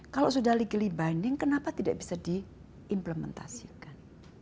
kalau sudah legal binding kenapa tidak bisa diimplementasikan